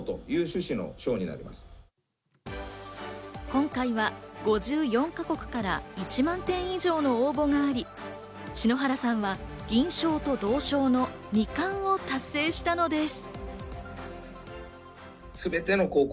今回は５４か国から１万点以上の応募があり、篠原さんは銀賞と銅賞の二冠を達成したのです。